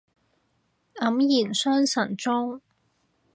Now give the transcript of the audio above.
黯然神傷中